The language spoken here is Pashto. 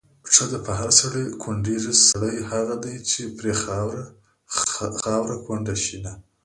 ښځه په هر سړي کونډېږي، سړی هغه دی چې پرې خاوره کونډه شېنه